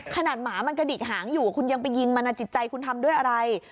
หมามันกระดิกหางอยู่คุณยังไปยิงมันจิตใจคุณทำด้วยอะไร